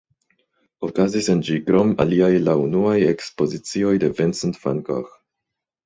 Okazis en ĝi krom aliaj la unuaj ekspozicioj de Vincent van Gogh.